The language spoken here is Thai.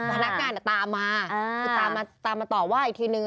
พนักงานตามมาตามมาตอบว่าอีกทีหนึ่ง